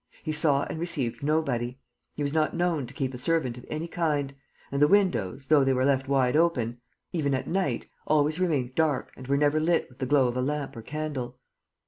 He saw and received nobody. He was not known to keep a servant of any kind. And the windows, though they were left wide open, even at night, always remained dark and were never lit with the glow of a lamp or candle.